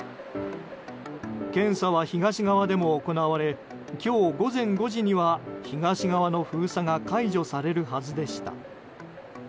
検査は東側でも行われ今日午前５時には東側の封鎖が解除されるはずでした。